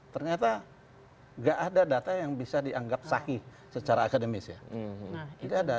ternyata nggak ada data yang bisa dianggap sahih secara akademis ya